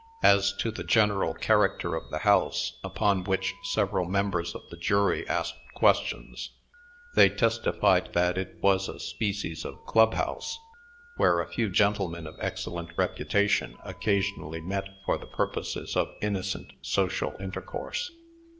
As to the general character of the house, upon which several members of the jury asked questions, they testified that it was a species of club house, where a few gentlemen of excellent reputation occasionally met for the purposes of innocent social intercourse.